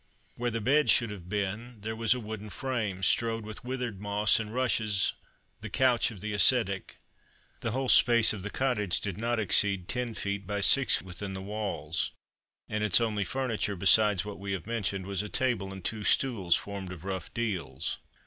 Where the bed should have been, there was a wooden frame, strewed with withered moss and rushes, the couch of the ascetic. The whole space of the cottage did not exceed ten feet by six within the walls; and its only furniture, besides what we have mentioned, was a table and two stools formed of rough deals.